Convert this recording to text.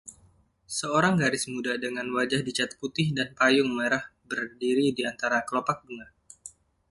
Seorang gadis muda dengan wajah dicat putih dan payung merah berdiri di antara kelopak bunga.